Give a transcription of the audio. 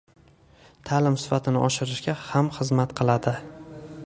Ta’lim sifatini oshirishga ham xizmat qiladi.